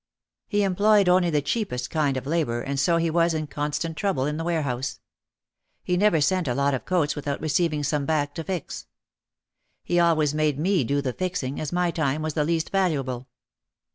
He employed only the cheapest kind of labor and so he was in constant trouble in the warehouse. He never sent a lot of coats without receiving some back to fix. He always made me do the fixing, as my time was the least valuable.